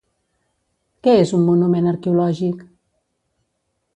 Què és un monument arqueològic?